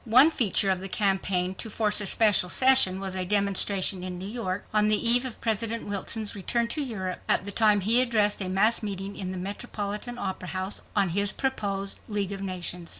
One feature of the campaign to force a special session was a demonstration in New York, on the eve of President Wilson's return to Europe, at the time he addressed a mass meeting in the Metropolitan Opera House on behalf of his proposed League of Nations.